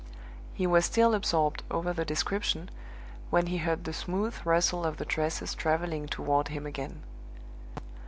He was still absorbed over the description when he heard the smooth rustle of the dresses traveling toward him again.